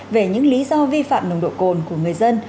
về những lý do vi phạm nồng độ cồn của người dân